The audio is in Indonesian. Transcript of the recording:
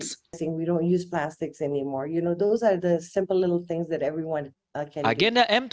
kita tidak menggunakan plastik lagi itu adalah hal hal sederhana yang bisa dilakukan semua orang